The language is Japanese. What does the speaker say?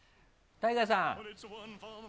ＴＡＩＧＡさん